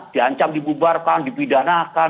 diancam dibubarkan dipidanakan